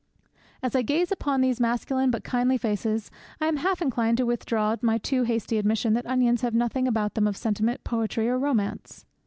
As I gaze upon these masculine but kindly faces I am half inclined to withdraw my too hasty admission that onions have nothing about them of sentiment, poetry, or romance.